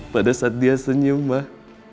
pada saat dia senyum mah